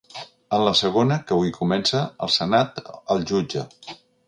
En la segona, que avui comença, el senat el jutja.